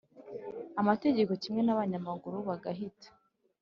Amategeko kimwe n abanyamaguru bagahita